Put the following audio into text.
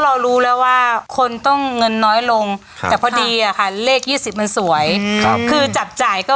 เรารู้แล้วว่าคนต้องเงินน้อยลงแต่พอดีอะค่ะเลข๒๐มันสวยคือจับจ่ายก็